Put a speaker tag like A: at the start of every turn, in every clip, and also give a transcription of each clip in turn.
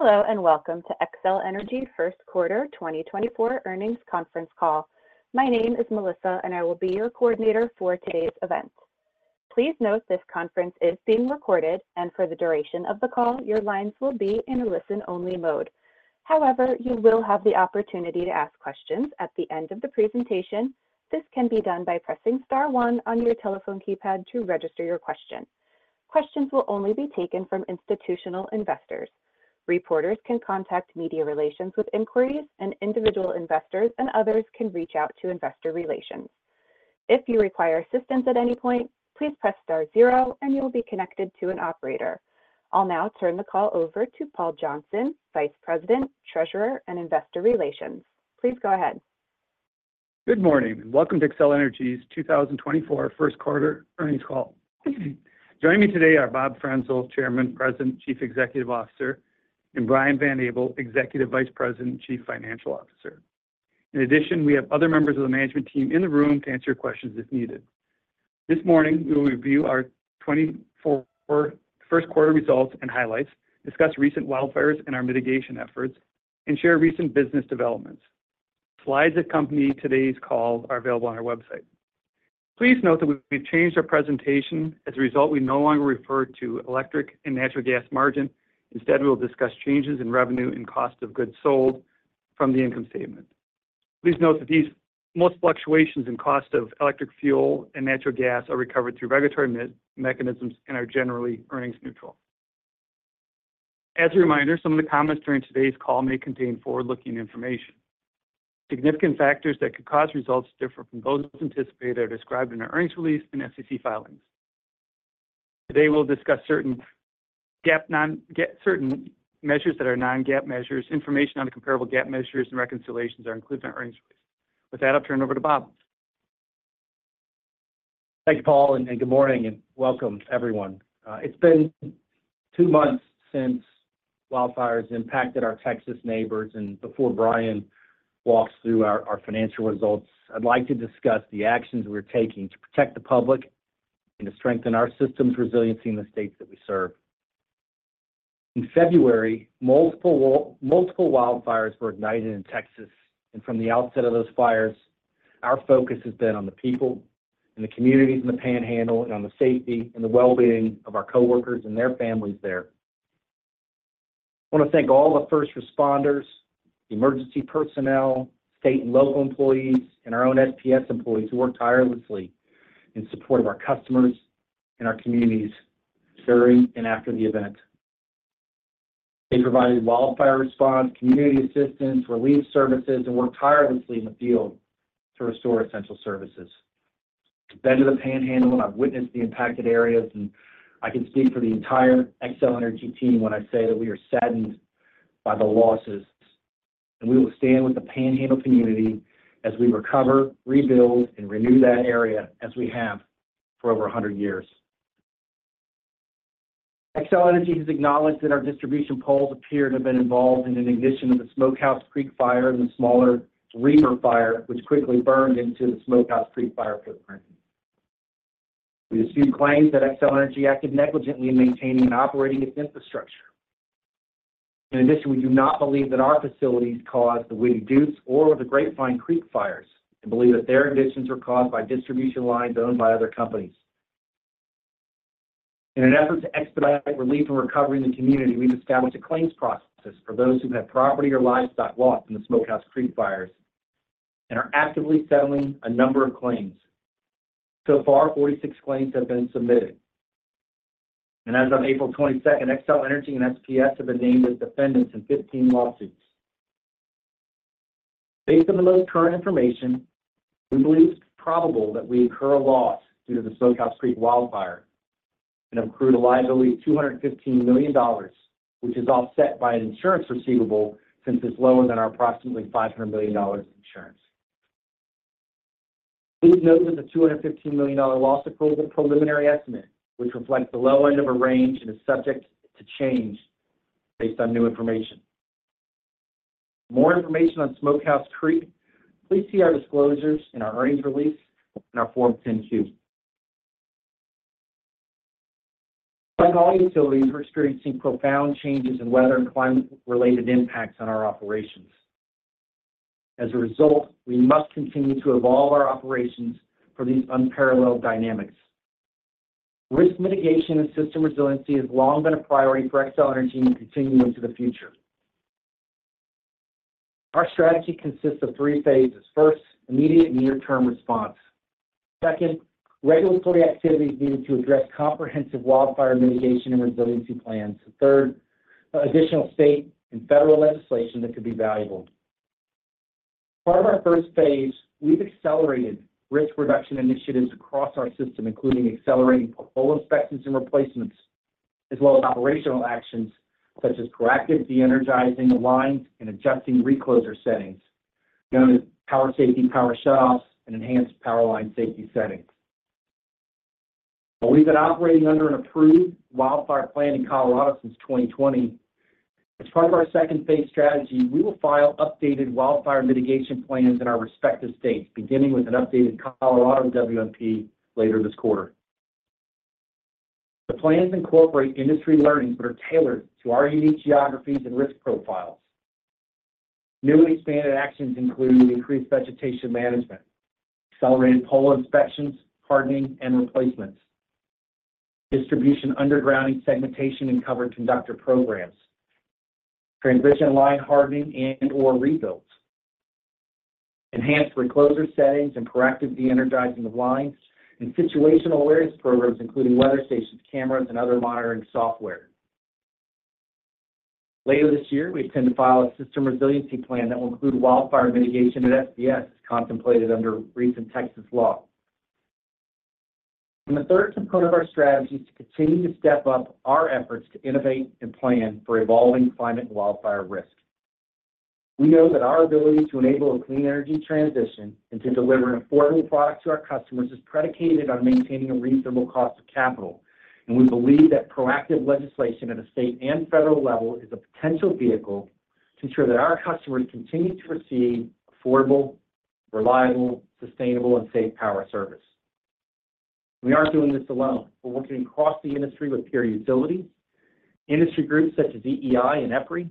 A: Hello, and welcome to Xcel Energy First Quarter 2024 Earnings Conference Call. My name is Melissa, and I will be your coordinator for today's event. Please note this conference is being recorded, and for the duration of the call, your lines will be in a listen-only mode. However, you will have the opportunity to ask questions at the end of the presentation. This can be done by pressing star one on your telephone keypad to register your question. Questions will only be taken from institutional investors. Reporters can contact media relations with inquiries, and individual investors and others can reach out to investor relations. If you require assistance at any point, please press star zero and you will be connected to an operator. I'll now turn the call over to Paul Johnson, Vice President, Treasurer, and Investor Relations. Please go ahead.
B: Good morning, and welcome to Xcel Energy's 2024 first quarter earnings call. Joining me today are Bob Frenzel, Chairman, President, and Chief Executive Officer, and Brian Van Abel, Executive Vice President and Chief Financial Officer. In addition, we have other members of the management team in the room to answer questions if needed. This morning, we will review our 2024 first quarter results and highlights, discuss recent wildfires and our mitigation efforts, and share recent business developments. Slides that accompany today's call are available on our website. Please note that we've changed our presentation. As a result, we no longer refer to electric and natural gas margin. Instead, we will discuss changes in revenue and cost of goods sold from the income statement. Please note that most fluctuations in cost of electric fuel and natural gas are recovered through regulatory mechanisms and are generally earnings neutral. As a reminder, some of the comments during today's call may contain forward-looking information. Significant factors that could cause results to differ from those anticipated are described in our earnings release and SEC filings. Today, we'll discuss certain GAAP and non-GAAP measures. Information on the comparable GAAP measures and reconciliations are included in our earnings release. With that, I'll turn over to Bob.
C: Thank you, Paul, and good morning and welcome, everyone. It's been two months since wildfires impacted our Texas neighbors, and before Brian walks through our financial results, I'd like to discuss the actions we're taking to protect the public and to strengthen our system's resiliency in the states that we serve. In February, multiple wildfires were ignited in Texas, and from the outset of those fires, our focus has been on the people and the communities in the Panhandle and on the safety and the well-being of our coworkers and their families there. I want to thank all the first responders, emergency personnel, state and local employees, and our own SPS employees who worked tirelessly in support of our customers and our communities during and after the event. They provided wildfire response, community assistance, relief services, and worked tirelessly in the field to restore essential services. I've been to the Panhandle, and I've witnessed the impacted areas, and I can speak for the entire Xcel Energy team when I say that we are saddened by the losses, and we will stand with the Panhandle community as we recover, rebuild, and renew that area, as we have for over 100 years. Xcel Energy has acknowledged that our distribution poles appear to have been involved in an ignition of the Smokehouse Creek Fire and the smaller Reamer Fire, which quickly burned into the Smokehouse Creek Fire footprint. We assume claims that Xcel Energy acted negligently in maintaining and operating its infrastructure. In addition, we do not believe that our facilities caused the Windy Deuce or the Grapevine Creek Fires, and believe that their ignitions were caused by distribution lines owned by other companies. In an effort to expedite relief and recovery in the community, we've established a claims process for those who have property or livestock lost in the Smokehouse Creek Fires and are actively settling a number of claims. So far, 46 claims have been submitted, and as of April 22, Xcel Energy and SPS have been named as defendants in 15 lawsuits. Based on the most current information, we believe it's probable that we incur a loss due to the Smokehouse Creek Wildfire and accrue a liability of $215 million, which is offset by an insurance receivable, since it's lower than our approximately $500 million insurance. Please note that the $215 million dollar loss is a preliminary estimate, which reflects the low end of a range and is subject to change based on new information. More information on Smokehouse Creek, please see our disclosures in our earnings release and our Form 10-Q. Like all utilities, we're experiencing profound changes in weather and climate-related impacts on our operations. As a result, we must continue to evolve our operations for these unparalleled dynamics. Risk mitigation and system resiliency has long been a priority for Xcel Energy and continue into the future. Our strategy consists of three phases. First, immediate near-term response. Second, regulatory activities needed to address comprehensive wildfire mitigation and resiliency plans. Third, additional state and federal legislation that could be valuable. Part of our first phase, we've accelerated risk reduction initiatives across our system, including accelerating pole inspections and replacements, as well as operational actions such as proactive de-energizing the lines and adjusting recloser settings, known as public safety power shutoffs and enhanced power line safety settings. While we've been operating under an approved wildfire plan in Colorado since 2020, as part of our second phase strategy, we will file updated wildfire mitigation plans in our respective states, beginning with an updated Colorado WMP later this quarter. The plans incorporate industry learnings that are tailored to our unique geographies and risk profiles. Newly expanded actions include increased vegetation management, accelerated pole inspections, hardening and replacements, distribution, underground segmentation, and covered conductor programs, transmission line hardening and/or rebuilds, enhanced recloser settings and proactive de-energizing of lines, and situational awareness programs, including weather stations, cameras, and other monitoring software. Later this year, we intend to file a system resiliency plan that will include wildfire mitigation at SPS, contemplated under recent Texas law. And the third component of our strategy is to continue to step up our efforts to innovate and plan for evolving climate and wildfire risk. We know that our ability to enable a clean energy transmission and to deliver an affordable product to our customers is predicated on maintaining a reasonable cost of capital. We believe that proactive legislation at a state and federal level is a potential vehicle to ensure that our customers continue to receive affordable, reliable, sustainable, and safe power service. We aren't doing this alone. We're working across the industry with peer utilities, industry groups such as EEI and EPRI,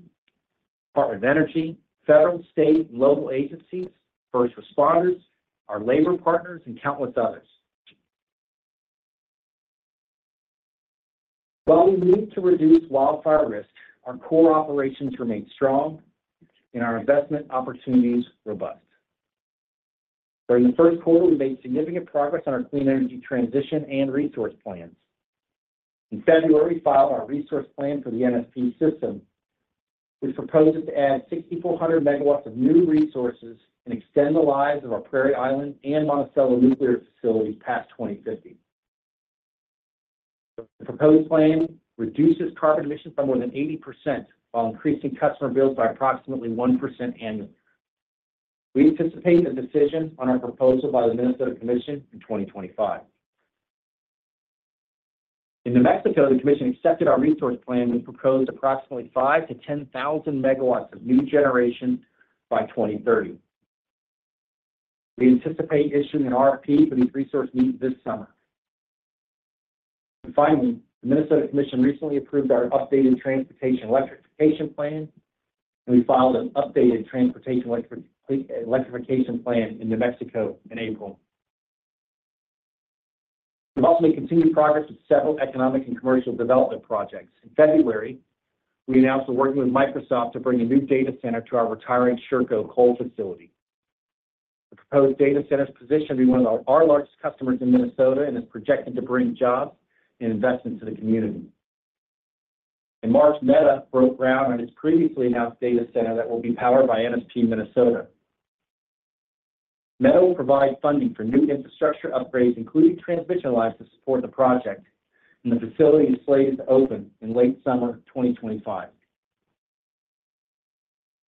C: Department of Energy, federal, state, local agencies, first responders, our labor partners, and countless others. While we need to reduce wildfire risk, our core operations remain strong and our investment opportunities robust. During the first quarter, we made significant progress on our clean energy transmission and resource plans. In February, we filed our resource plan for the NSP system, which proposes to add 6,400 MW of new resources and extend the lives of our Prairie Island and Monticello nuclear facilities past 2050. The proposed plan reduces carbon emissions by more than 80%, while increasing customer bills by approximately 1% annually. We anticipate a decision on our proposal by the Minnesota Commission in 2025. In New Mexico, the commission accepted our resource plan. We proposed approximately 5,000-10,000 MW of new generation by 2030. We anticipate issuing an RFP for these resource needs this summer. And finally, the Minnesota Commission recently approved our updated transportation electrification plan, and we filed an updated transportation electrification plan in New Mexico in April. We've also made continued progress with several economic and commercial development projects. In February, we announced we're working with Microsoft to bring a new data center to our retiring Sherco coal facility. The proposed data center is positioned to be one of our largest customers in Minnesota and is projected to bring jobs and investment to the community. In March, Meta broke ground on its previously announced data center that will be powered by NSP Minnesota. Meta will provide funding for new infrastructure upgrades, including transmission lines, to support the project, and the facility is slated to open in late summer 2025.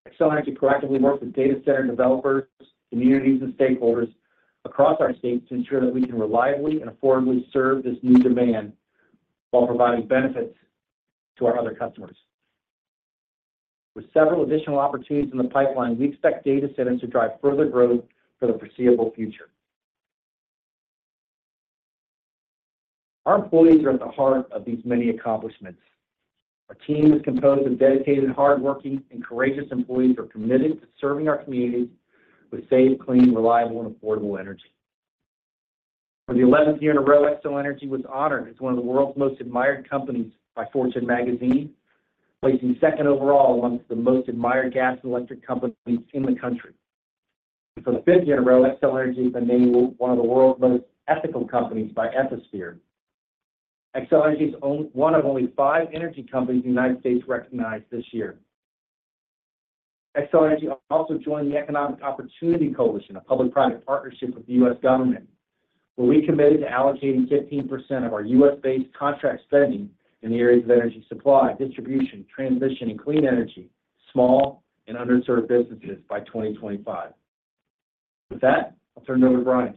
C: Xcel Energy proactively worked with data center developers, communities, and stakeholders across our states to ensure that we can reliably and affordably serve this new demand while providing benefits to our other customers. With several additional opportunities in the pipeline, we expect data centers to drive further growth for the foreseeable future. Our employees are at the heart of these many accomplishments. Our team is composed of dedicated, hardworking, and courageous employees who are committed to serving our communities with safe, clean, reliable, and affordable energy. For the eleventh year in a row, Xcel Energy was honored as one of the world's most admired companies by Fortune Magazine, placing second overall amongst the most admired gas and electric companies in the country. For the fifth year in a row, Xcel Energy has been named one of the world's most ethical companies by Ethisphere. Xcel Energy is one of only five energy companies in the United States recognized this year. Xcel Energy also joined the Economic Opportunity Coalition, a public-private partnership with the U.S. government, where we committed to allocating 15% of our U.S.-based contract spending in the areas of energy supply, distribution, transition, and clean energy, small and underserved businesses by 2025. With that, I'll turn it over to Brian.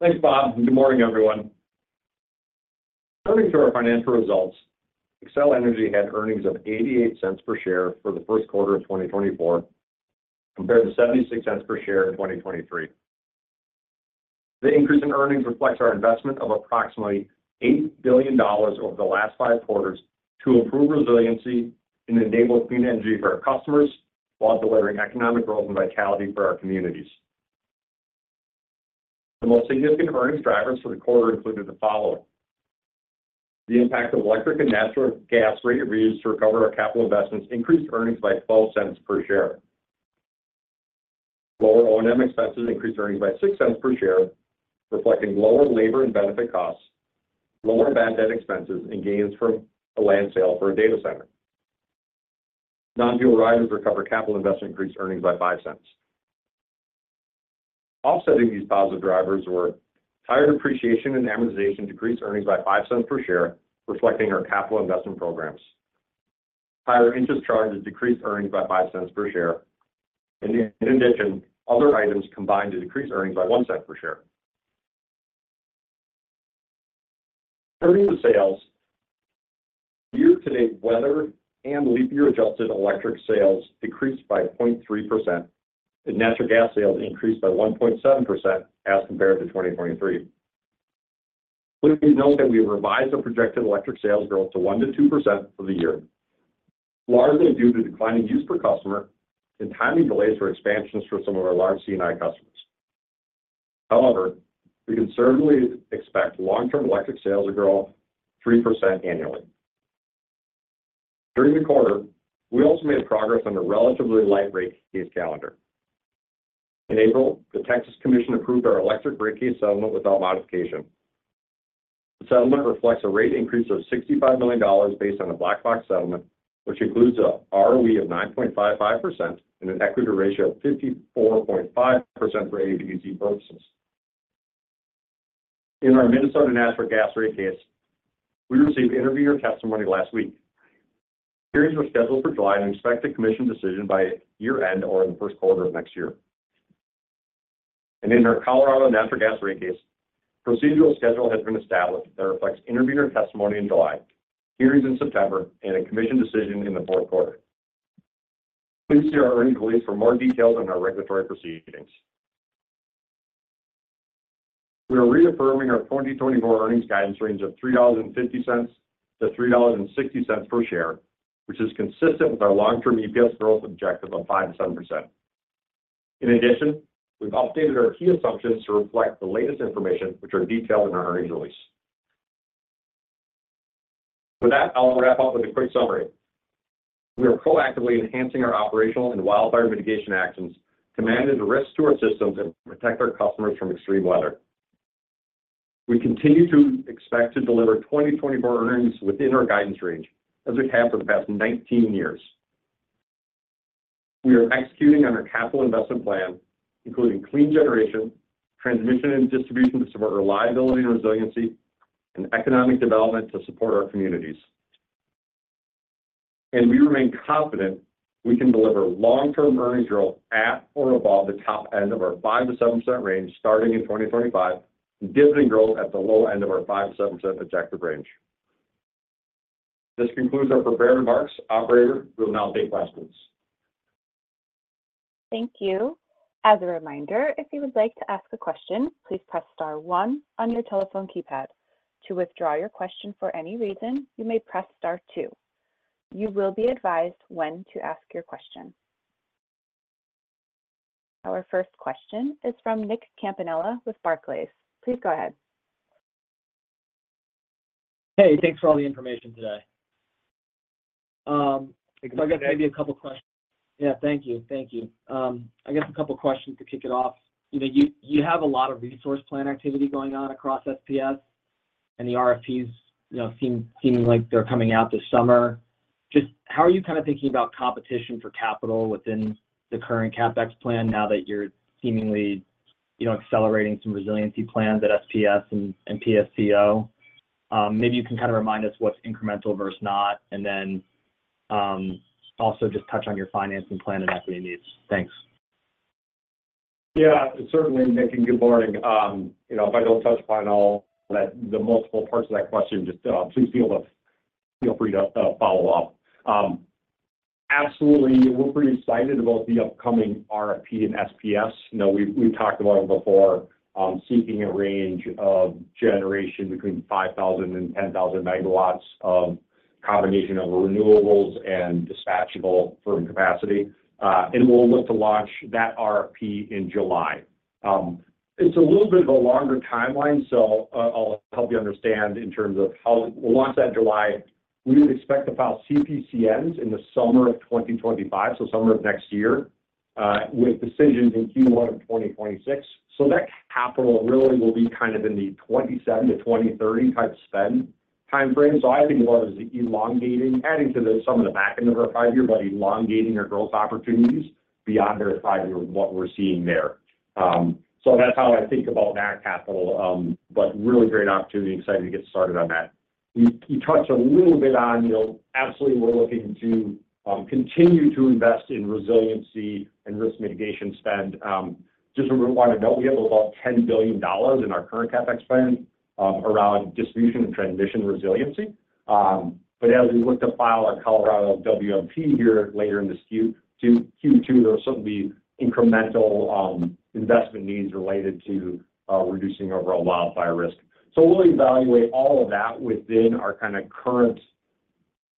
D: Thanks, Bob, and good morning, everyone. Turning to our financial results, Xcel Energy had earnings of $0.88 per share for the first quarter of 2024, compared to $0.76 per share in 2023. The increase in earnings reflects our investment of approximately $8 billion over the last five quarters to improve resiliency and enable clean energy for our customers, while delivering economic growth and vitality for our communities. The most significant earnings drivers for the quarter included the following: The impact of electric and natural gas rate reviews to recover our capital investments increased earnings by $0.12 per share. Lower O&M expenses increased earnings by $0.06 per share, reflecting lower labor and benefit costs, lower bad debt expenses, and gains from a land sale for a data center. Non-fuel riders recover capital investment, increased earnings by $0.05. Offsetting these positive drivers were higher depreciation and amortization, decreased earnings by $0.05 per share, reflecting our capital investment programs. Higher interest charges decreased earnings by $0.05 per share. And in addition, other items combined to decrease earnings by $0.01 per share. Turning to sales. Year-to-date, weather and leap year-adjusted electric sales decreased by 0.3%, and natural gas sales increased by 1.7% as compared to 2023. Please note that we have revised our projected electric sales growth to 1%-2% for the year, largely due to declining use per customer and timing delays for expansions for some of our large C&I customers. However, we conservatively expect long-term electric sales to grow 3% annually. During the quarter, we also made progress on a relatively light rate case calendar. In April, the Texas Commission approved our electric rate case settlement without modification. The settlement reflects a rate increase of $65 million based on a black box settlement, which includes a ROE of 9.55% and an equity ratio of 54.5% for SPS purposes. In our Minnesota natural gas rate case, we received intervener testimony last week. Hearings are scheduled for July and expect a commission decision by year-end or in the first quarter of next year. In our Colorado natural gas rate case, procedural schedule has been established that reflects intervener testimony in July, hearings in September, and a commission decision in the fourth quarter. Please see our earnings release for more details on our regulatory proceedings. We are reaffirming our 2024 earnings guidance range of $3.50-$3.60 per share, which is consistent with our long-term EPS growth objective of 5%-7%. In addition, we've updated our key assumptions to reflect the latest information, which are detailed in our earnings release. With that, I'll wrap up with a quick summary. We are proactively enhancing our operational and wildfire mitigation actions to manage the risk to our systems and protect our customers from extreme weather. We continue to expect to deliver 2024 earnings within our guidance range, as we have for the past 19 years. We are executing on our capital investment plan, including clean generation, transmission and distribution to support reliability and resiliency, and economic development to support our communities. We remain confident we can deliver long-term earnings growth at or above the top end of our 5%-7% range starting in 2025, dividend growth at the low end of our 5%-7% objective range. This concludes our prepared remarks. Operator, we will now take questions.
A: Thank you. As a reminder, if you would like to ask a question, please press star one on your telephone keypad. To withdraw your question for any reason, you may press star two. You will be advised when to ask your question. Our first question is from Nick Campanella with Barclays. Please go ahead.
E: Hey, thanks for all the information today. I guess maybe a couple of questions. Yeah, thank you. Thank you. I guess a couple of questions to kick it off. You know, you have a lot of resource plan activity going on across SPS, and the RFPs, you know, seem like they're coming out this summer. Just how are you kind of thinking about competition for capital within the current CapEx plan now that you're seemingly, you know, accelerating some resiliency plans at SPS and PSCO? Maybe you can kind of remind us of what's incremental versus not, and then also just touch on your financing plan and equity needs. Thanks.
D: Yeah, certainly, Nick, and good morning. You know, if I don't touch upon all that, the multiple parts of that question, just, please feel free to follow up. Absolutely, we're pretty excited about the upcoming RFP and SPS. You know, we've talked about them before, seeking a range of generation between 5,000 and 10,000 MW of combination of renewables and dispatchable firm capacity. And we'll look to launch that RFP in July. It's a little bit of a longer timeline, so, I'll help you understand in terms of how we'll launch that in July. We would expect to file CPCNs in the summer of 2025, so summer of next year, with decisions in Q1 of 2026. So that capital really will be kind of in the 2027 to 2030 type spend timeframe. So I think a lot of it is elongating, adding to the some of the back end of our five-year, but elongating our growth opportunities beyond our five-year, what we're seeing there. So that's how I think about that capital, but really great opportunity. Excited to get started on that. We, we touched a little bit on, you know, absolutely, we're looking to continue to invest in resiliency and risk mitigation spend. Just a reminder, we have about $10 billion in our current CapEx plan, around distribution and transition resiliency. But as we look to file our Colorado WMP here later in this Q2, there are certainly incremental investment needs related to reducing overall wildfire risk. So we'll evaluate all of that within our kind of current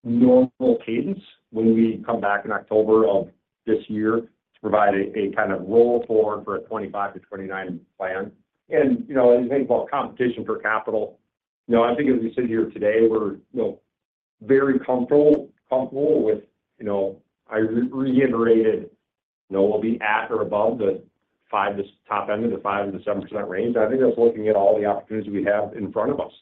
D: normal cadence when we come back in October of this year to provide a kind of roll forward for a 25-29 plan. And, you know, as you think about competition for capital, you know, I think as we sit here today, we're, you know, very comfortable, comfortable with, you know, I reiterated, you know, we'll be at or above the five, the top end of the 5%-7% range. I think that's looking at all the opportunities we have in front of us,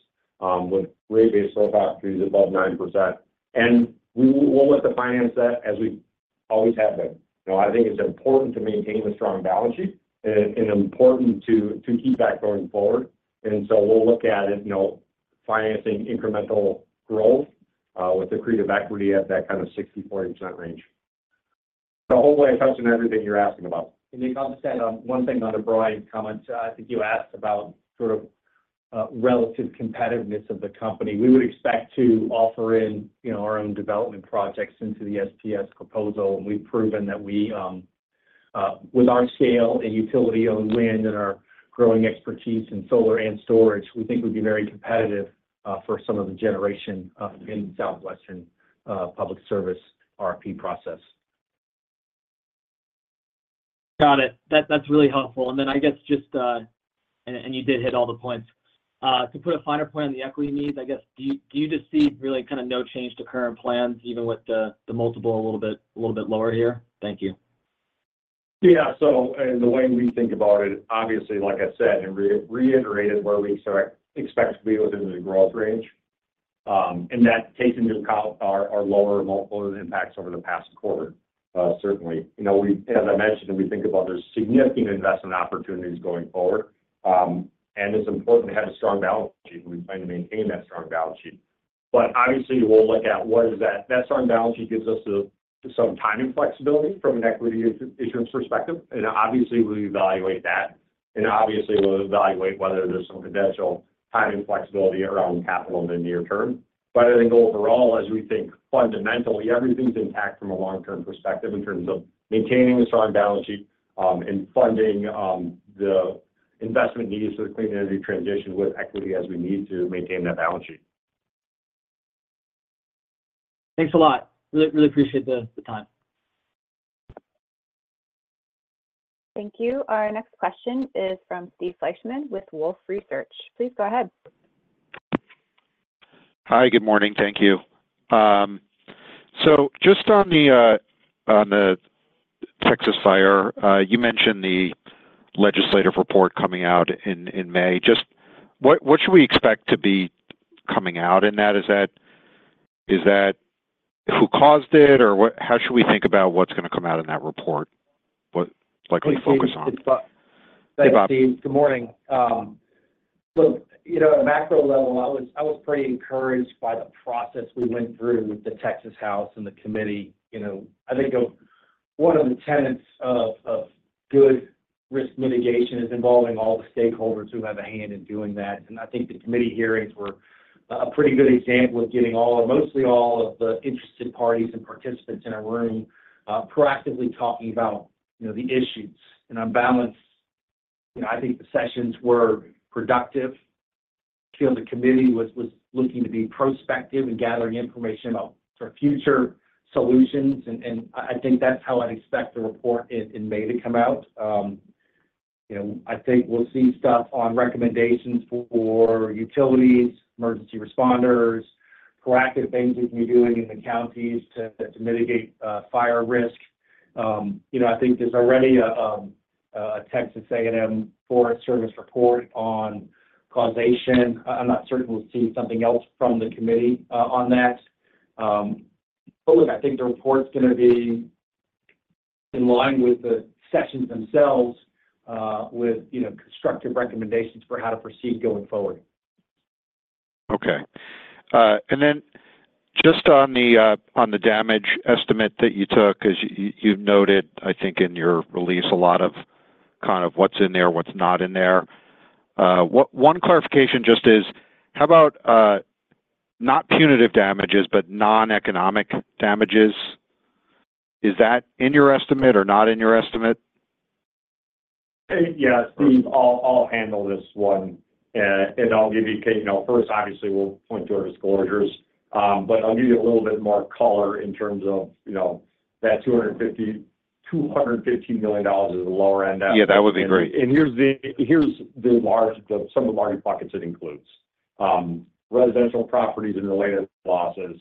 D: with rate base growth opportunities above 9%. And we, we'll let the finance that as we've always have been. You know, I think it's important to maintain a strong balance sheet and, and important to, to keep that going forward. So we'll look at it, you know, financing incremental growth with the creative equity at that kind of 64% range. So hopefully I'm touching everything you're asking about. And Nick, I'll just add on one thing on to Brian's comments. I think you asked about sort of relative competitiveness of the company. We would expect to offer in, you know, our own development projects into the SPS proposal, and we've proven that we with our scale and utility-owned wind and our growing expertise in solar and storage, we think we'd be very competitive for some of the generation in Southwestern Public Service RFP process.
E: Got it. That's really helpful. And then I guess just and you did hit all the points. To put a finer point on the equity needs, I guess, do you just see really kind of no change to current plans, even with the multiple a little bit lower here? Thank you.
D: Yeah, so the way we think about it, obviously, like I said, and reiterated where we expect to be within the growth range. And that takes into account our lower multiple impacts over the past quarter, certainly. You know, as I mentioned, and we think about, there's significant investment opportunities going forward. And it's important to have a strong balance sheet, and we plan to maintain that strong balance sheet. But obviously, we'll look at what is that. That strong balance sheet gives us some timing flexibility from an equity issuance perspective, and obviously, we evaluate that. And obviously, we'll evaluate whether there's some potential timing flexibility around capital in the near term. But I think overall, as we think fundamentally, everything's intact from a long-term perspective in terms of maintaining a strong balance sheet, and funding, the investment needs for the clean energy transmission with equity as we need to maintain that balance sheet.
E: Thanks a lot. Really, really appreciate the time.
A: Thank you. Our next question is from Steve Fleishman with Wolfe Research. Please go ahead.
F: Hi, good morning. Thank you. So just on the Texas fire, you mentioned the legislative report coming out in May. Just what should we expect to be coming out in that? Is that who caused it, or what - how should we think about what's going to come out in that report? What, like, we focus on?
C: Thanks, Steve. Good morning. Look, you know, at a macro level, I was pretty encouraged by the process we went through with the Texas House and the committee. You know, I think one of the tenets of good risk mitigation is involving all the stakeholders who have a hand in doing that. And I think the committee hearings were a pretty good example of getting all, mostly all of the interested parties and participants in a room, proactively talking about, you know, the issues. And on balance, you know, I think the sessions were productive. I feel the committee was looking to be prospective in gathering information about for future solutions, and I think that's how I'd expect the report in May to come out. You know, I think we'll see stuff on recommendations for utilities, emergency responders, proactive things we can be doing in the counties to mitigate fire risk. You know, I think there's already a Texas A&M Forest Service report on causation. I'm not certain we'll see something else from the committee on that. But look, I think the report's gonna be in line with the sessions themselves, with you know, constructive recommendations for how to proceed going forward.
F: Okay. And then just on the damage estimate that you took, because you noted, I think in your release, a lot of kind of what's in there, what's not in there. One clarification just is, how about not punitive damages, but non-economic damages? Is that in your estimate or not in your estimate?
D: Hey, yes, Steve, I'll handle this one, and I'll give you, you know, first, obviously, we'll point to our disclosures, but I'll give you a little bit more color in terms of, you know, that $250 million is the lower end-
F: Yeah, that would be great.
D: Here's some of the large pockets it includes: residential properties and related losses,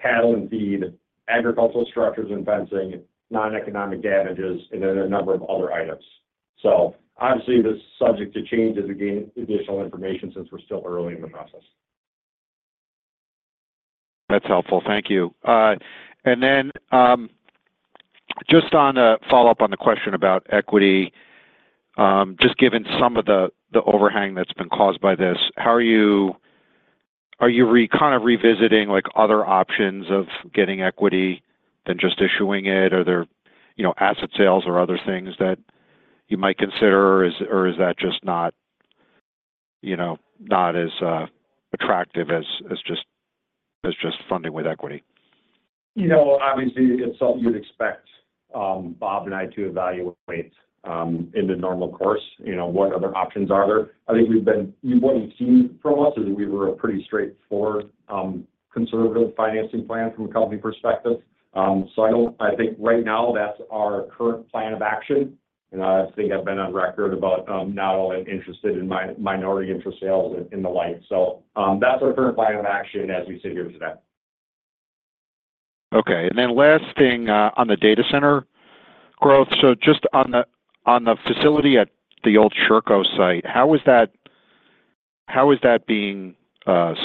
D: cattle and feed, agricultural structures and fencing, non-economic damages, and then a number of other items. So obviously, this is subject to change as we gain additional information since we're still early in the process.
F: That's helpful. Thank you. And then, just on a follow-up on the question about equity, just given some of the overhang that's been caused by this, are you kind of revisiting, like, other options of getting equity than just issuing it? Are there, you know, asset sales or other things that you might consider, or is that just not, you know, not as attractive as just funding with equity?
D: You know, obviously, it's something you'd expect Bob and I to evaluate in the normal course. You know, what other options are there? I think what you've seen from us is we were a pretty straightforward, conservative financing plan from a company perspective. So, I think right now, that's our current plan of action, and I think I've been on record about not only interested in minority interest sales in the pipeline. So that's our current plan of action as we sit here today.
F: Okay. And then last thing, on the data center growth. So just on the facility at the old Sherco site, how is that being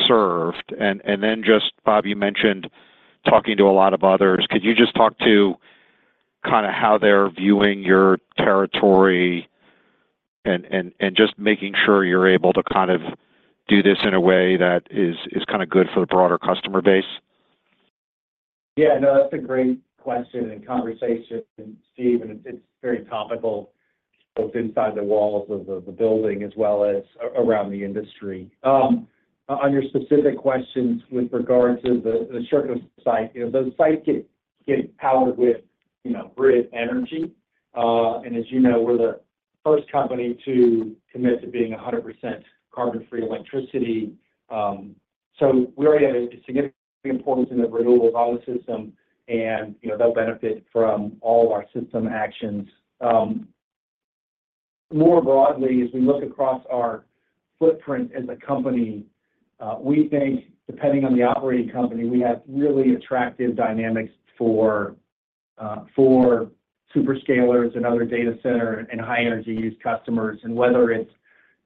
F: served? And then just, Bob, you mentioned talking to a lot of others. Could you just talk to kind of how they're viewing your territory? And just making sure you're able to kind of do this in a way that is kind of good for the broader customer base?
D: Yeah, no, that's a great question and conversation, and Steve, and it's very topical, both inside the walls of the building as well as around the industry. On your specific questions with regards to the Sherco site, you know, the site getting powered with, you know, grid energy. And as you know, we're the first company to commit to being 100% carbon-free electricity. So we already have a significant importance in the renewable value system, and, you know, they'll benefit from all our system actions. More broadly, as we look across our footprint as a company, we think depending on the operating company, we have really attractive dynamics for super scalers and other data center and high energy use customers, and whether it's,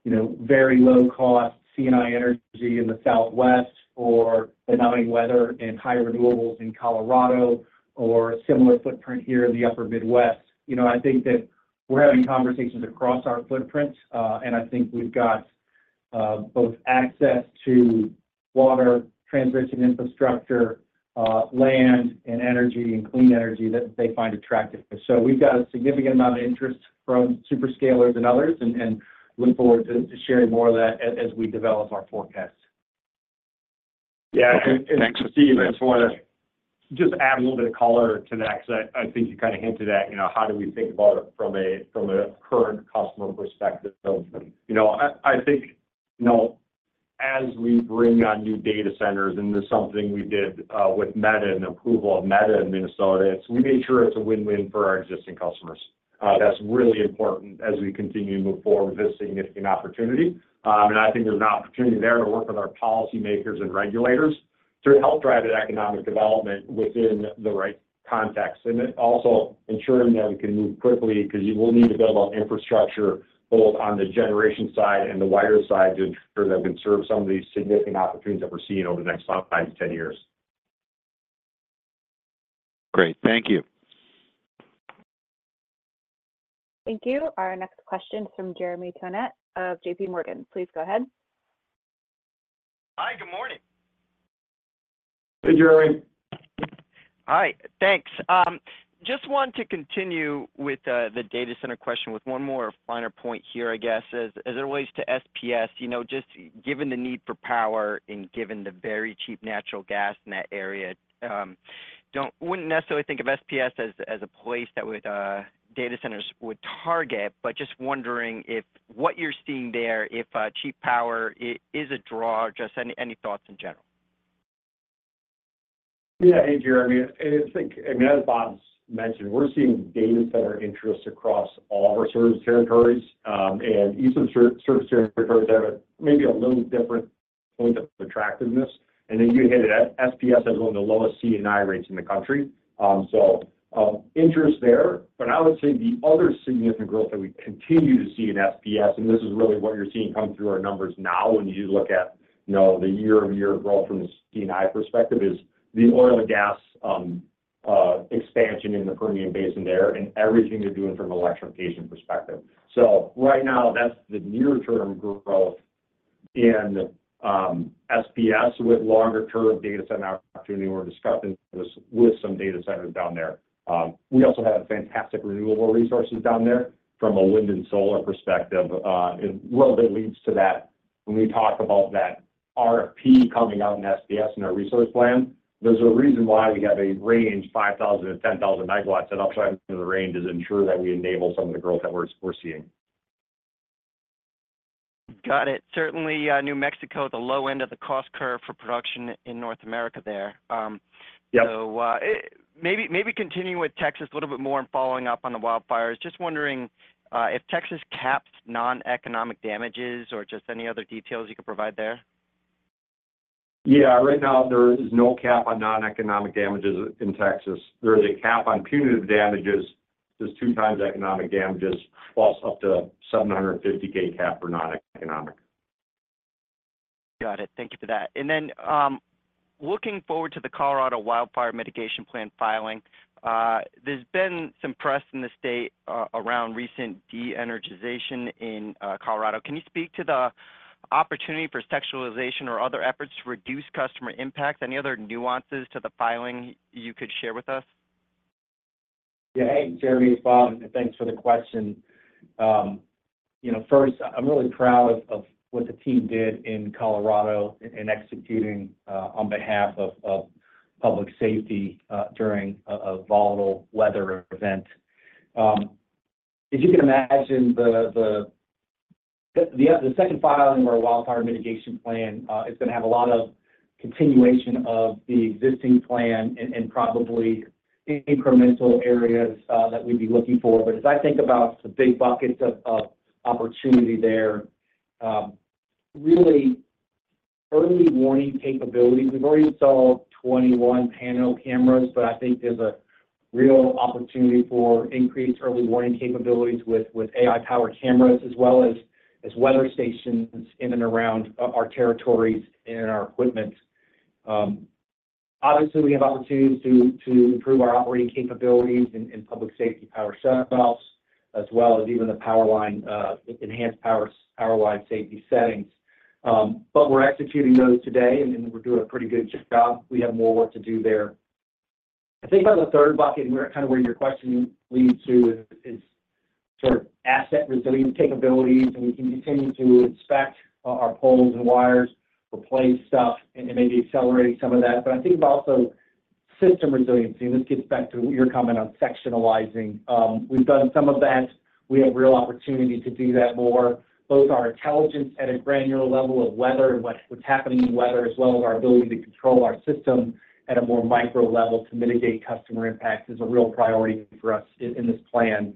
D: you know, very low cost C&I energy in the Southwest, or cooling weather and higher renewables in Colorado, or a similar footprint here in the upper Midwest. You know, I think that we're having conversations across our footprint, and I think we've got both accesses to water, transmission, infrastructure, land, and energy, and clean energy that they find attractive. So, we've got a significant amount of interest from super scalers and others and look forward to sharing more of that as we develop our forecast.
C: Yeah. And Steve, I just want to just add a little bit of color to that because I think you kind of hinted at, you know, how do we think about it from a current customer perspective? You know, I think, you know, as we bring on new data centers, and this is something we did with Meta and approval of Meta in Minnesota, it's, we made sure it's a win-win for our existing customers. That's really important as we continue to move forward with this significant opportunity. And I think there's an opportunity there to work with our policymakers and regulators to help drive that economic development within the right context, and then also ensuring that we can move quickly because you will need to build out infrastructure, both on the generation side and the wire side, to ensure that we can serve some of these significant opportunities that we're seeing over the next 5-10 years.
F: Great. Thank you.
A: Thank you. Our next question from Jeremy Tonet of JP Morgan. Please go ahead.
G: Hi, good morning.
D: Hey, Jeremy.
G: Hi, thanks. Just want to continue with the data center question with one more finer point here, I guess. As it relates to SPS, you know, just given the need for power and given the very cheap natural gas in that area, wouldn't necessarily think of SPS as a place that data centers would target, but just wondering if what you're seeing there, if cheap power is a draw, just any thoughts in general?
D: Yeah. Hey, Jeremy, and I think, I mean, as Bob mentioned, we're seeing data center interest across all of our service territories, and each service territory there, but maybe a little different point of attractiveness. And then you hit it at SPS as one of the lowest C&I rates in the country. So, interest there, but I would say the other significant growth that we continue to see in SPS, and this is really what you're seeing come through our numbers now, when you look at, you know, the year-over-year growth from the C&I perspective, is the oil and gas expansion in the Permian Basin there, and everything they're doing from an electrification perspective. So right now, that's the near term growth in SPS with longer term data center opportunity. We're discussing this with some data centers down there. We also have fantastic renewable resources down there from a wind and solar perspective. And a little bit leads to that when we talk about that RFP coming out in SPS and our Resource Plan, there's a reason why we have a range of 5,000-10,000 MW, and the range is to ensure that we enable some of the growth that we're seeing.
G: Got it. Certainly, New Mexico, the low end of the cost curve for production in North America there.
D: Yep.
G: So, maybe continuing with Texas a little bit more and following up on the wildfires, just wondering if Texas caps non-economic damages or just any other details you could provide there?
D: Yeah. Right now, there is no cap on non-economic damages in Texas. There is a cap on punitive damages. There's 2 times economic damages, plus up to $750,000 cap for non-economic.
G: Got it. Thank you for that. And then, looking forward to the Colorado Wildfire Mitigation Plan filing, there's been some press in the state around recent de-energization in Colorado. Can you speak to the opportunity for sectionalization or other efforts to reduce customer impact? Any other nuances to the filing you could share with us?
C: Yeah. Hey, Jeremy, it's Bob. Thanks for the question. You know, first, I'm really proud of what the team did in Colorado in executing on behalf of public safety during a volatile weather event. If you can imagine, the second filing of our wildfire mitigation plan is gonna have a lot of continuation of the existing plan and probably incremental areas that we'd be looking for. But as I think about the big buckets of opportunity there, really early warning capabilities. We've already installed 21 Pano cameras, but I think there's a real opportunity for increased early warning capabilities with AI-powered cameras as well as weather stations in and around our territories and our equipment. Obviously, we have opportunities to improve our operating capabilities in public safety power shutoffs, as well as even the power line enhanced power line safety settings. But we're executing those today, and then we're doing a pretty good job. We have more work to do there. I think on the third bucket, and where your question leads to is sort of asset resilience capabilities, and we can continue to inspect our poles and wires, replace stuff, and maybe accelerating some of that. But I think also system resiliency, and this gets back to your comment on sectionalizing. We've done some of that. We have real opportunity to do that more. Both our intelligence at a granular level of weather and what's happening in weather, as well as our ability to control our system at a more micro level to mitigate customer impact is a real priority for us in this plan.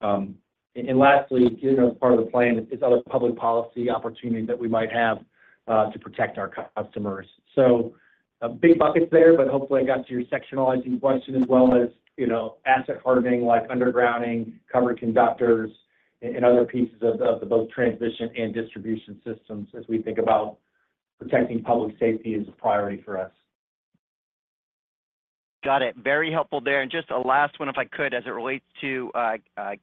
C: And lastly, you know, part of the plan is other public policy opportunities that we might have to protect our customers. So, big buckets there, but hopefully I got to your sectionalizing question as well as, you know, asset hardening, like undergrounding, covered conductors, and other pieces of the both transmission and distribution systems as we think about protecting public safety is a priority for us.
G: Got it. Very helpful there. And just a last one, if I could, as it relates to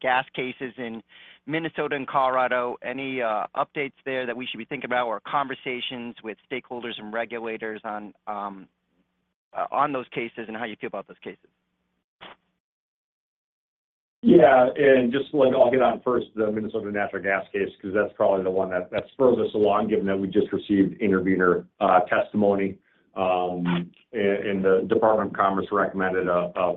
G: gas cases in Minnesota and Colorado. Any updates there that we should be thinking about or conversations with stakeholders and regulators on those cases and how you feel about those cases?
D: Yeah, and just let-- I'll get on first the Minnesota Natural Gas case, because that's probably the one that, that's furthest along, given that we just received intervener testimony. And the Department of Commerce recommended a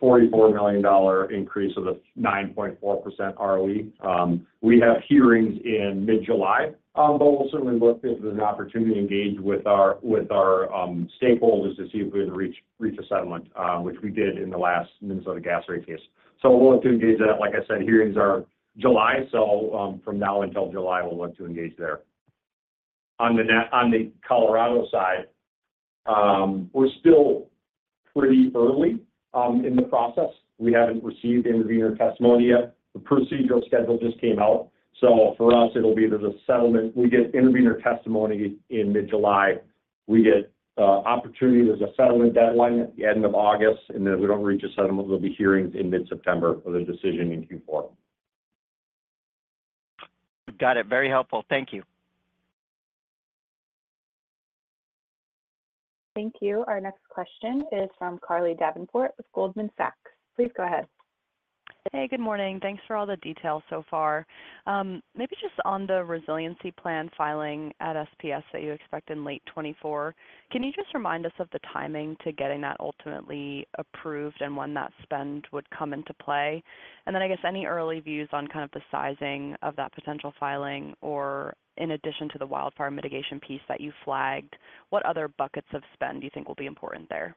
D: $44 million increase of the 9.4% ROE. We have hearings in mid-July, but we'll certainly look at an opportunity to engage with our stakeholders to see if we can reach a settlement, which we did in the last Minnesota gas rate case. So, we'll look to engage that. Like I said, hearings are July, so from now until July, we'll look to engage there. On the Colorado side, we're still pretty early in the process. We haven't received intervener testimony yet. The procedural schedule just came out, so for us, it'll be there's a settlement. We get intervener testimony in mid-July. We get opportunity, there's a settlement deadline at the end of August, and then if we don't reach a settlement, there'll be hearings in mid-September with a decision in Q4.
G: Got it. Very helpful. Thank you.
A: Thank you. Our next question is from Carly Davenport with Goldman Sachs. Please go ahead.
H: Hey, good morning. Thanks for all the details so far. Maybe just on the resiliency plan filing at SPS that you expect in late 2024, can you just remind us of the timing to getting that ultimately approved and when that spend would come into play? And then, I guess, any early views on kind of the sizing of that potential filing, or in addition to the wildfire mitigation piece that you flagged, what other buckets of spend do you think will be important there?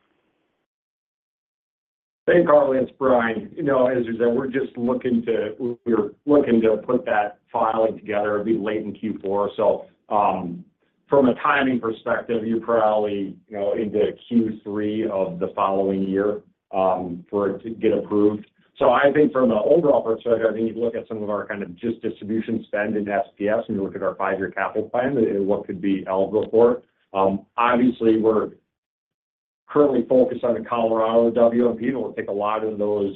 D: Thanks, Carly. It's Brian. You know, as you said, we're just looking to, we're looking to put that filing together. It'll be late in Q4. So, from a timing perspective, you're probably, you know, into Q3 of the following year, for it to get approved. So I think from an overall perspective, I think you look at some of our kind of just distribution spend into SPS, and you look at our five-year capital plan and what could be eligible for it. Obviously, we're currently focused on the Colorado WMP, and we'll take a lot of those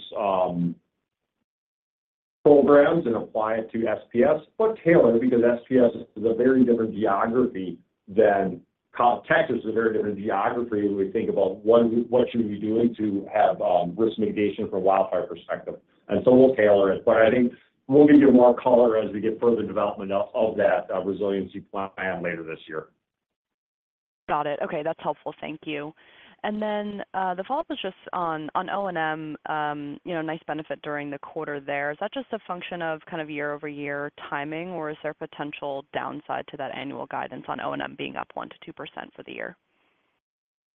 D: programs and apply it to SPS, but tailor it because SPS is a very different geography than Texas, a very different geography when we think about what, what should we be doing to have risk mitigation from a wildfire perspective. We'll tailor it, but I think we'll give you more color as we get further development of that resiliency plan later this year.
H: Got it. Okay, that's helpful. Thank you. And then, the follow-up is just on O&M, you know, nice benefit during the quarter there. Is that just a function of kind of year-over-year timing, or is there potential downside to that annual guidance on O&M being up 1%-2% for the year?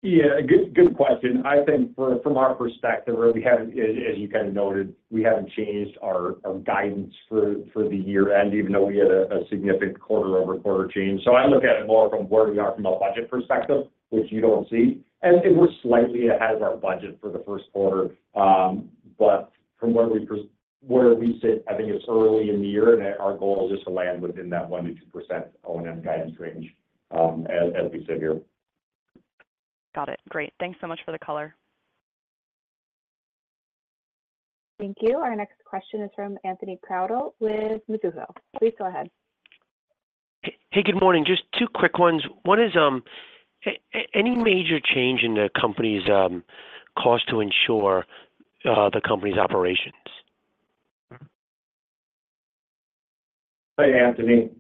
D: Yeah, good, good question. I think from, from our perspective, we haven't, as, as you kind of noted, we haven't changed our, our guidance for, for the year-end, even though we had a, a significant quarter-over-quarter change. So I look at it more from where we are from a budget perspective, which you don't see, and we're slightly ahead of our budget for the first quarter. But from where we sit, I think it's early in the year, and our goal is just to land within that 1%-2% O&M guidance range, as, as we sit here.
H: Got it. Great. Thanks so much for the color.
A: Thank you. Our next question is from Anthony Crowdell with Mizuho. Please go ahead.
I: Hey, good morning. Just two quick ones. One is, any major change in the company's cost to insure, the company's operations?
D: Hey, Anthony.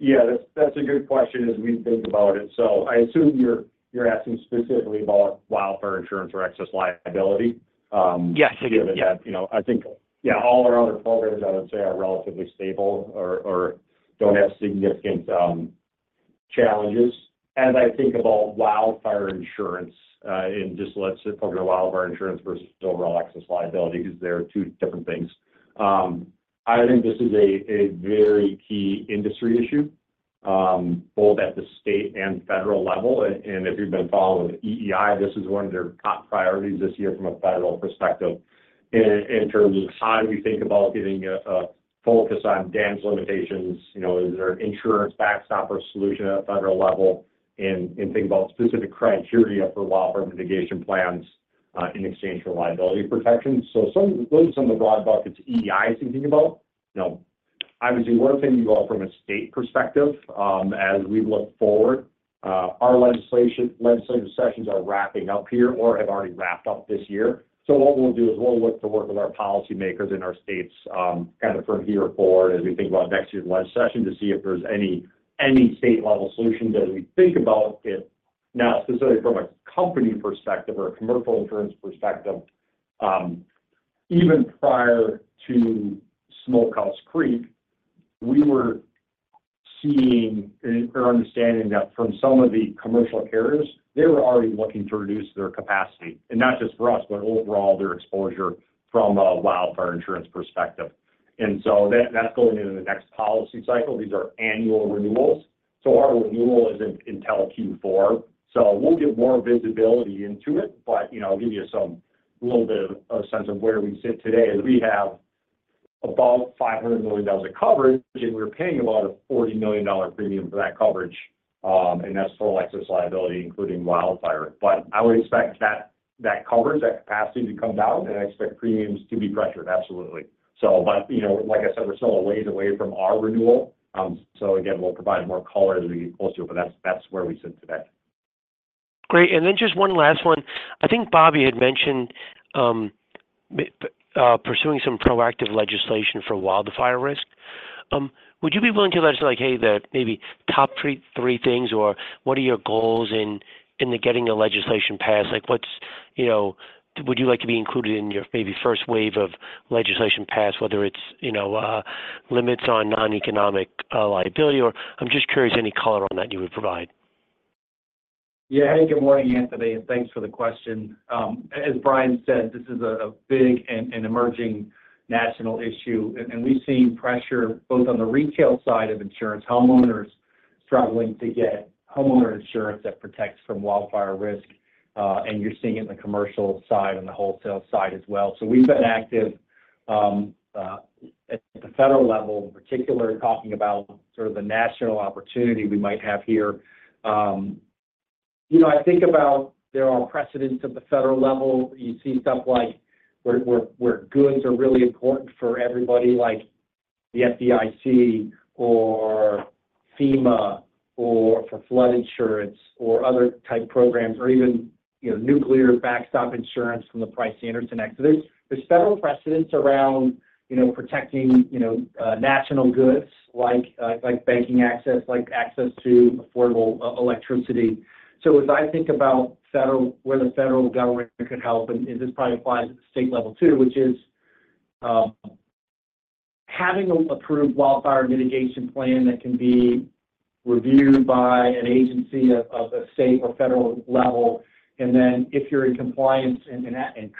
D: Yeah, that's, that's a good question as we think about it. So I assume you're, you're asking specifically about wildfire insurance or excess liability.
I: Yes.
D: You know, I think, yeah, all our other programs, I would say, are relatively stable or, or don't have significant challenges. As I think about wildfire insurance, and just let's focus on wildfire insurance versus overall excess liability, because they're two different things. I think this is a, a very key industry issue, both at the state and federal level. And, and if you've been following EEI, this is one of their top priorities this year from a federal perspective. In, in terms of how do we think about getting a, a focus on damage limitations, you know, is there insurance backstop or solution at a federal level, and, and think about specific criteria for wildfire mitigation plans? In exchange for liability protection. So some, those are some of the broad buckets EEI is thinking about. You know, obviously, one thing you all from a state perspective, as we look forward, our legislation, legislative sessions are wrapping up here or have already wrapped up this year. So what we'll do is we'll look to work with our policymakers in our states, kinda from here forward as we think about next year's leg session, to see if there's any state level solutions as we think about it. Now, specifically from a company perspective or a commercial insurance perspective, even prior to Smokehouse Creek, we were seeing, or understanding that from some of the commercial carriers, they were already looking to reduce their capacity, and not just for us, but overall, their exposure from a wildfire insurance perspective. And so that's going into the next policy cycle. These are annual renewals, so our renewal isn't until Q4. So we'll get more visibility into it, but, you know, I'll give you some little bit of a sense of where we sit today. We have about $500 million of coverage, and we're paying about a $40 million premium for that coverage. And that's full excess liability, including wildfire. But I would expect that, that coverage, that capacity to come down, and I expect premiums to be pressured. Absolutely. So but, you know, like I said, we're still a ways away from our renewal. So again, we'll provide more color as we get closer, but that's, that's where we sit today.
I: Great. And then just one last one. I think Bobby had mentioned pursuing some proactive legislation for wildfire risk. Would you be willing to list, like, hey, the maybe top three things, or what are your goals in getting the legislation passed? Like, what's, you know, would you like to be included in your maybe first wave of legislation passed, whether it's, you know, limits on non-economic liability or... I'm just curious, any color on that you would provide?
C: Yeah. Hey, good morning, Anthony, and thanks for the question. As Brian said, this is a big and emerging national issue, and we've seen pressure both on the retail side of insurance, homeowners struggling to get homeowner insurance that protects from wildfire risk. And you're seeing it in the commercial side and the wholesale side as well. So we've been active at the federal level, in particular, talking about sort of the national opportunity we might have here. You know, I think about there are precedents at the federal level. You see stuff like where goods are really important for everybody, like the FDIC or FEMA or for flood insurance or other type programs, or even, you know, nuclear backstop insurance from the Price-Anderson Act. There's several precedents around, you know, protecting, you know, like banking access, like access to affordable electricity. So as I think about federal, where the federal government could help, and this probably applies at the state level too, which is having an approved wildfire mitigation plan that can be reviewed by an agency of a state or federal level, and then if you're in compliance and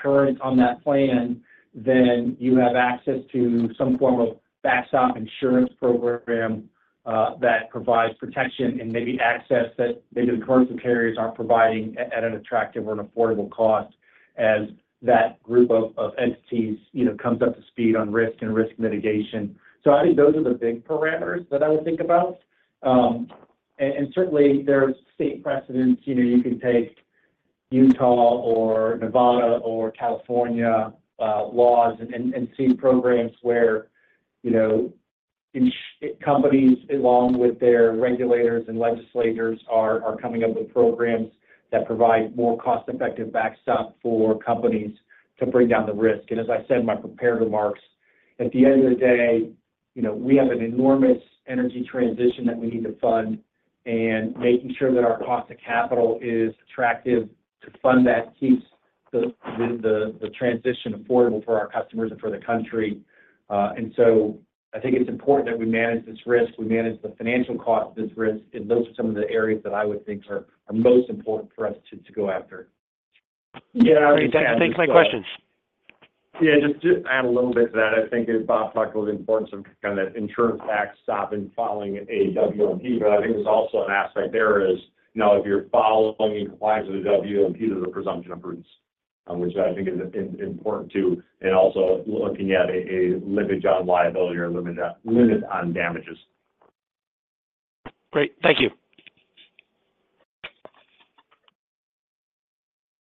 C: current on that plan, then you have access to some form of backstop insurance program that provides protection and maybe access that maybe the commercial carriers aren't providing at an attractive or an affordable cost as that group of entities, you know, comes up to speed on risk and risk mitigation. So I think those are the big parameters that I would think about. And certainly, there's state precedents. You know, you can take Utah or Nevada or California laws and see programs where, you know, insurance companies, along with their regulators and legislators are coming up with programs that provide more cost-effective backstop for companies to bring down the risk. And as I said in my prepared remarks, at the end of the day, you know, we have an enormous energy transmission that we need to fund, and making sure that our cost to capital is attractive to fund that keeps the transition affordable for our customers and for the country. So I think it's important that we manage this risk, we manage the financial cost of this risk, and those are some of the areas that I would think are most important for us to go after.
I: Yeah. Thanks, my questions.
D: Yeah, just to add a little bit to that, I think as Bob talked about the importance of kinda that insurance backstop and following a WMP, but I think there's also an aspect there is, now, if you're following in compliance with a WMP, there's a presumption of prudence, which I think is important too, and also looking at a limit on liability or a limit on damages.
I: Great. Thank you.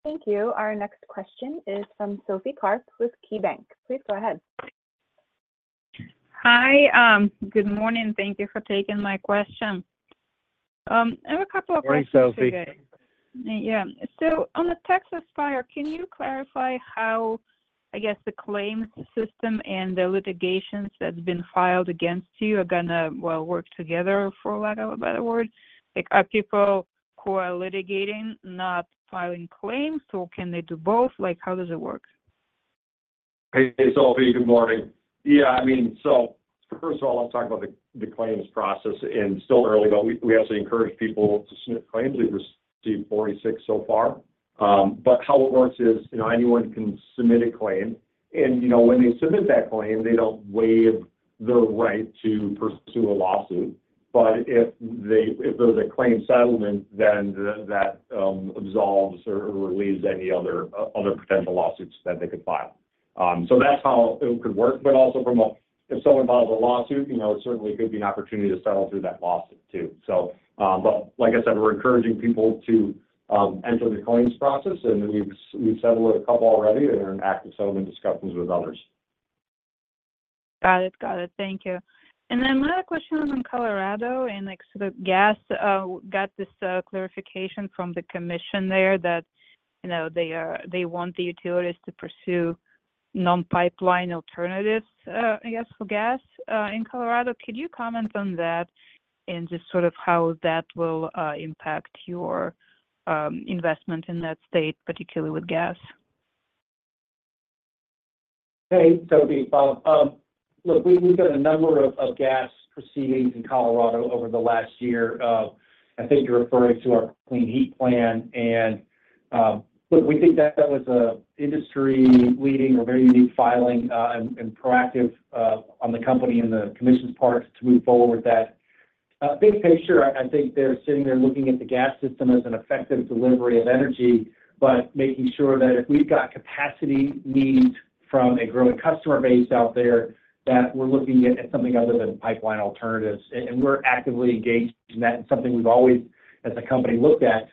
A: Thank you. Our next question is from Sophie Karp with KeyBanc. Please go ahead.
J: Hi. Good morning. Thank you for taking my question. I have a couple of questions today.
C: Morning, Sophie.
J: Yeah. So on the Texas fire, can you clarify how, I guess, the claims system and the litigations that's been filed against you are gonna, well, work together, for lack of a better word? Like, are people who are litigating not filing claims, or can they do both? Like, how does it work?
D: Hey, Sophie, good morning. Yeah, I mean, so first of all, let's talk about the claims process, and still early on, we actually encourage people to submit claims. We've received 46 so far. But how it works is, you know, anyone can submit a claim and, you know, when they submit that claim, they don't waive the right to pursue a lawsuit. But if they, if there's a claim settlement, then that absolves or relieves any other potential lawsuits that they could file. So that's how it could work, but also, if someone files a lawsuit, you know, it certainly could be an opportunity to settle through that lawsuit, too. But like I said, we're encouraging people to enter the claims process, and we've, we've settled with a couple already and are in active settlement discussions with others.
J: Got it. Got it. Thank you. And then my other question is on Colorado, and like, sort of gas, got this clarification from the commission there that, you know, they want the utilities to pursue non-pipeline alternatives, I guess, for gas, in Colorado. Could you comment on that and just sort of how that will impact your investment in that state, particularly with gas?
C: Hey, Sophie, look, we've got a number of gas proceedings in Colorado over the last year. I think you're referring to our Clean Heat Plan, and look, we think that that was an industry-leading or very unique filing, and proactive on the company and the commission's part to move forward with that. Big picture, I think they're sitting there looking at the gas system as an effective delivery of energy, but making sure that if we've got capacity needs from a growing customer base out there, that we're looking at something other than pipeline alternatives. And we're actively engaged in that. It's something we've always, as a company, looked at,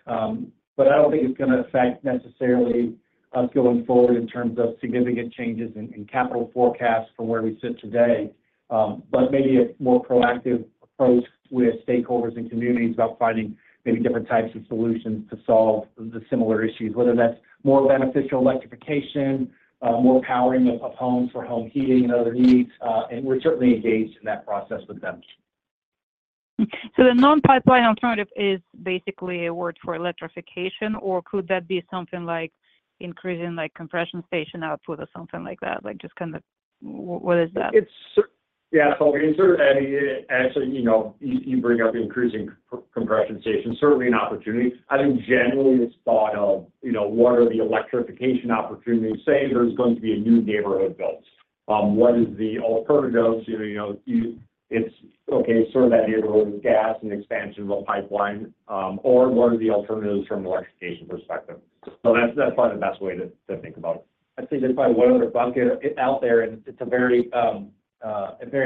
C: but I don't think it's gonna affect necessarily us going forward in terms of significant changes in capital forecasts from where we sit today. But maybe a more proactive approach with stakeholders and communities about finding maybe different types of solutions to solve the similar issues, whether that's more beneficial electrification, more powering of homes for home heating and other needs, and we're certainly engaged in that process with them.
J: The non-pipeline alternative is basically a word for electrification, or could that be something like increasing, like, compression station output or something like that? Like, just kind of... What, what is that?
C: It's yeah, so I mean, sure, and so, you know, you bring up increasing compression station, certainly an opportunity. I think generally it's thought of, you know, what are the electrification opportunities? Say there's going to be a new neighborhood built, what is the alternatives? You know, it's okay, serve that neighborhood with gas and expansion of a pipeline, or what are the alternatives from an electrification perspective. So that's probably the best way to think about it.
D: I'd say just by one other bucket out there, and it's a very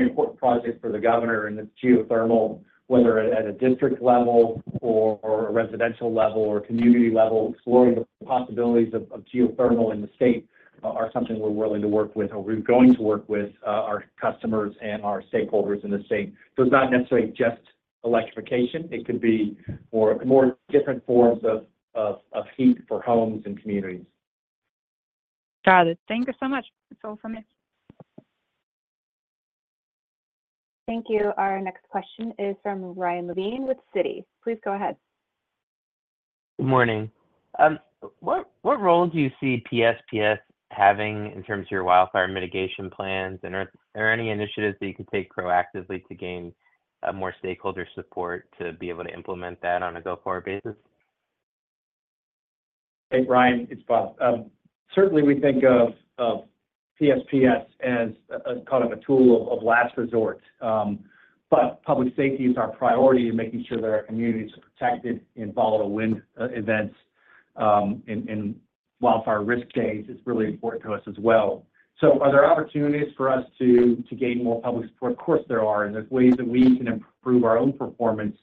D: important project for the governor and it's geothermal, whether at a district level or a residential level or community level, exploring the possibilities of geothermal in the state are something we're willing to work with or we're going to work with our customers and our stakeholders in the state. So it's not necessarily just electrification, it could be more different forms of heat for homes and communities.
J: Got it. Thank you so much. That's all from me.
A: Thank you. Our next question is from Ryan Levine with Citi. Please go ahead.
K: Good morning. What role do you see PSPS having in terms of your wildfire mitigation plans? And are there any initiatives that you could take proactively to gain more stakeholder support to be able to implement that on a go-forward basis?
C: Hey, Ryan, it's Bob. Certainly we think of PSPS as a kind of a tool of last resort. But public safety is our priority in making sure that our communities are protected in volatile wind events, and wildfire risk days is really important to us as well. So are there opportunities for us to gain more public support? Of course, there are, and there's ways that we can improve our own performance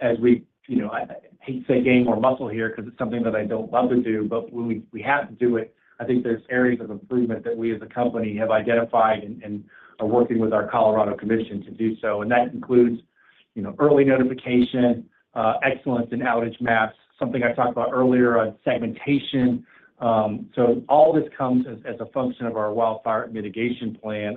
C: as we... You know, I hate to say gain more muscle here, cause it's something that I don't love to do, but when we have to do it, I think there's areas of improvement that we, as a company, have identified and are working with our Colorado commission to do so. That includes, you know, early notification, excellence in outage maps, something I talked about earlier on segmentation. All this comes as, as a function of our wildfire mitigation plan.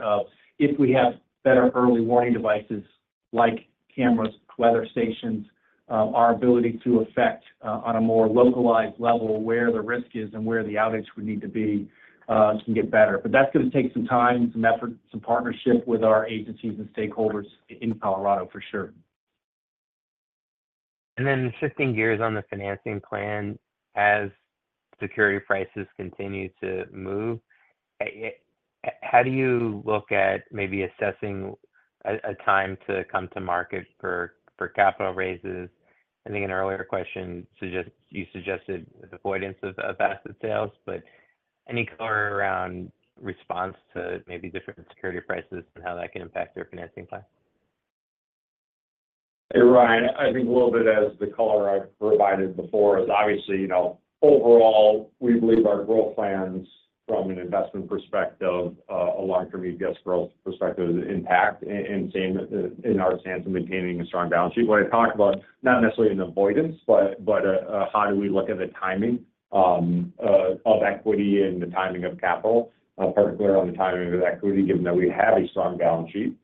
C: If we have better early warning devices like cameras, weather stations, our ability to affect on a more localized level, where the risk is and where the outage would need to be, can get better. But that's gonna take some time, some effort, some partnership with our agencies and stakeholders in Colorado for sure.
K: Then shifting gears on the financing plan, as security prices continue to move, how do you look at maybe assessing a time to come to market for capital raises? I think in an earlier question, you suggested avoidance of asset sales, but any color around response to maybe different security prices and how that can impact your financing plan?
D: Hey, Ryan, I think a little bit as the color I've provided before is obviously, you know, overall, we believe our growth plans from an investment perspective, a long-term EPS growth perspective is intact and, and same in our stance in maintaining a strong balance sheet. When I talk about not necessarily an avoidance, but, but, a how do we look at the timing, of equity and the timing of capital, particularly on the timing of equity, given that we have a strong balance sheet,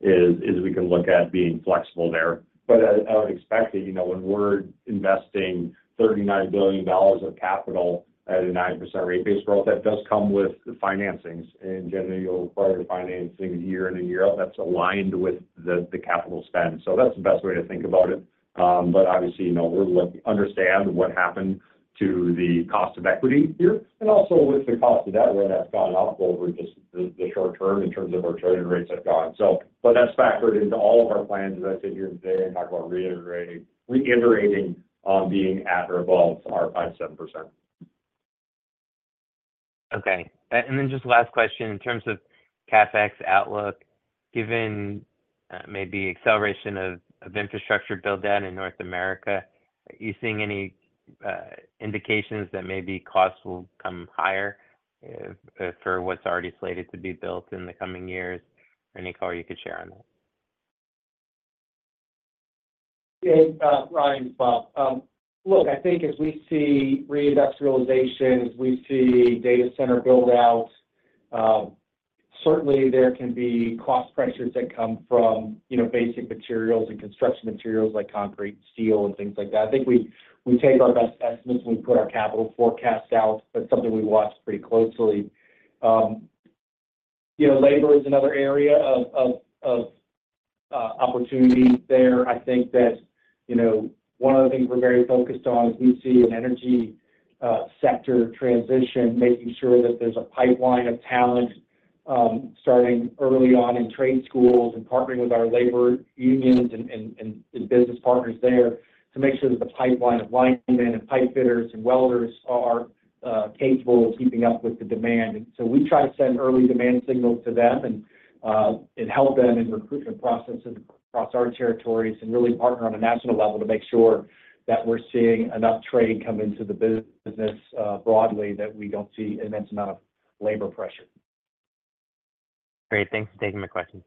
D: is, is we can look at being flexible there. But as I would expect it, you know, when we're investing $39 billion of capital at a 9% rate base growth, that does come with the financings, and generally, you'll require financing year in and year out, that's aligned with the, the capital spend. That's the best way to think about it. But obviously, you know, we'll understand what happened to the cost of equity here. And also, with the cost of debt, where that's gone up over just the short term in terms of our trading rates have gone. So, but that's factored into all of our plans as I sit here today and talk about reiterating, being at or above our 5.7%.
K: Okay. And then just last question. In terms of CapEx outlook, given maybe acceleration of infrastructure build-out in North America, are you seeing any indications that maybe costs will come higher for what's already slated to be built in the coming years? Any call you could share on that?
C: Yeah, Ryan, Bob, look, I think as we see re-industrialization, as we see data center build-out, certainly there can be cost pressures that come from, you know, basic materials and construction materials like concrete, steel, and things like that. I think we take our best estimates when we put our capital forecast out, but something we watch pretty closely. You know, labor is another area of opportunity there. I think that, you know, one of the things we're very focused on is we see an energy sector transition, making sure that there's a pipeline of talent, starting early on in trade schools and partnering with our labor unions and business partners there to make sure that the pipeline of linemen and pipefitters and welders are capable of keeping up with the demand. So, we try to send early demand signals to them and help them in recruitment processes across our territories and really partner on a national level to make sure that we're seeing enough trade come into the business, broadly, that we don't see immense amount of labor pressure.
K: Great. Thanks for taking my question.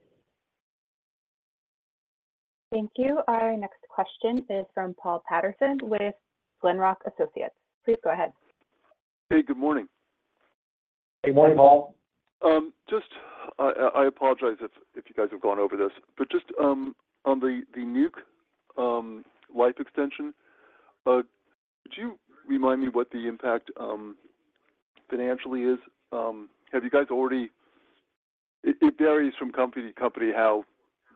A: Thank you. Our next question is from Paul Patterson with Glenrock Associates. Please go ahead.
L: Hey, good morning.
D: Good morning, Paul.
L: I apologize if you guys have gone over this, but just on the nuke life extension, could you remind me what the impact financially is? Have you guys already— It varies from company to company, how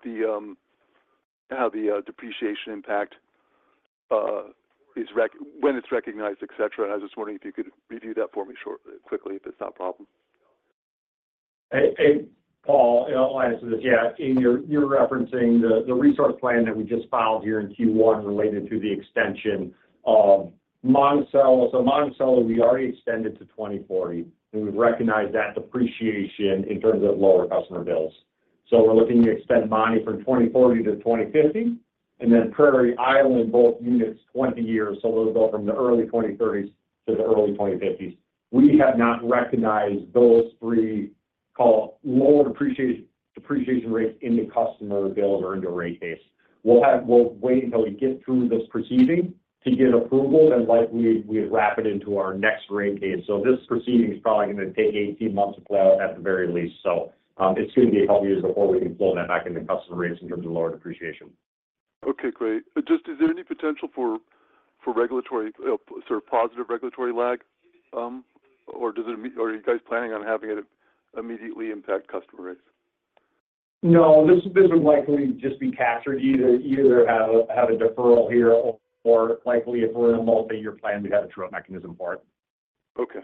L: the depreciation impact is recognized, et cetera. I was just wondering if you could review that for me shortly, quickly, if it's not a problem.
D: Hey, hey, Paul, and I'll answer this. Yeah, in your-- you're referencing the, the resource plan that we just filed here in Q1 related to the extension of Monticello. So Monticello, we already extended to 2040, and we've recognized that depreciation in terms of lower customer bills. So we're looking to extend Monty from 2040 to 2050, and then Prairie Island, both units, 20 years. So it'll go from the early 2030s to the early 2050s. We have not recognized those three call lower depreciation, depreciation rates in the customer bill or into rate base. We'll have-- We'll wait until we get through this proceeding to get approval, then likely we'd wrap it into our next rate case. So this proceeding is probably going to take 18 months to play out at the very least. It's going to be a couple of years before we can pull that back into customer rates in terms of lower depreciation.
L: Okay, great. But just, is there any potential for regulatory sort of positive regulatory lag, or are you guys planning on having it immediately impact customer rates?
D: No, this would likely just be captured, either have a deferral here or likely if we're in a multi-year plan, we have a true-up mechanism for it.
L: Okay,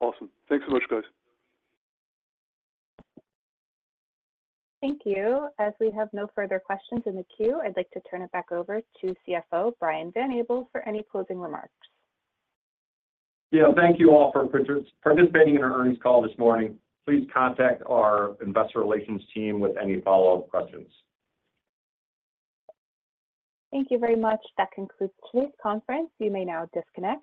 L: awesome. Thanks so much, guys.
A: Thank you. As we have no further questions in the queue, I'd like to turn it back over to CFO, Brian Van Abel, for any closing remarks.
D: Yeah, thank you all for participating in our earnings call this morning. Please contact our investor relations team with any follow-up questions.
A: Thank you very much. That concludes today's conference. You may now disconnect.